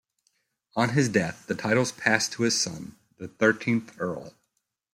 On his death the titles passed to his son, the thirteenth Earl.